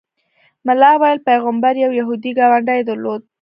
ملا ویل پیغمبر یو یهودي ګاونډی درلود.